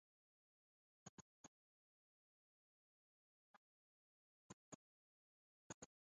Ka nmɔbháyá a bha ábháthó ngbophro e ?